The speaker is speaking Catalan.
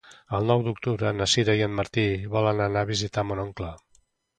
El nou d'octubre na Sira i en Martí volen anar a visitar mon oncle.